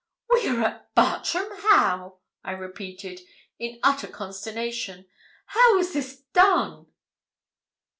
'We are at Bartram Haugh!' I repeated, in utter consternation. 'How was this done?'